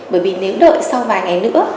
bởi vì nếu đợi sau vài ngày nữa